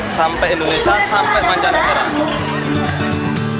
sampai indonesia sampai panjang kupang lontong